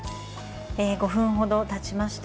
５分程たちました。